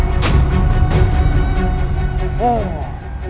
aku gasil sampai